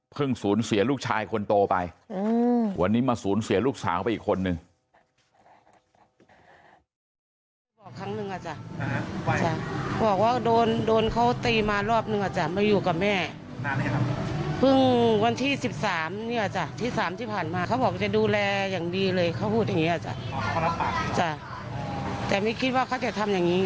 สูญเสียลูกชายคนโตไปวันนี้มาสูญเสียลูกสาวไปอีกคนนึง